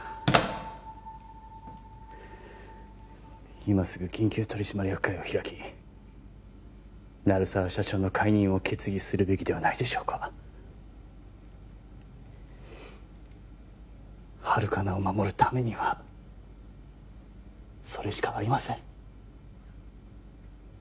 今すぐ緊急取締役会を開き鳴沢社長の解任を決議するべきではないでしょうかハルカナを守るためにはそれしかありません